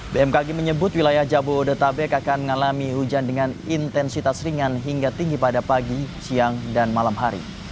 bmkg menyebut wilayah jabodetabek akan mengalami hujan dengan intensitas ringan hingga tinggi pada pagi siang dan malam hari